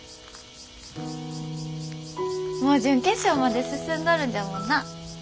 もう準決勝まで進んどるんじゃもんなあ。